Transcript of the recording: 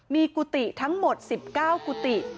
มีกุฏิทั้งหมด๑๙กุฏิ